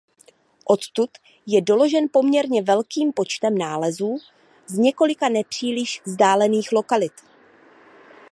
Odtud je doložen poměrně velkým počtem nálezů z několika nepříliš vzdálených lokalit.